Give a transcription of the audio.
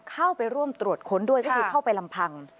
เข้าไปร่วมตรวจค้นด้วยก็คือเข้าไปลำพัง